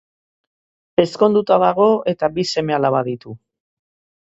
Ezkonduta dago, eta bi seme-alaba ditu.